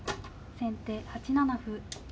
先手８七歩。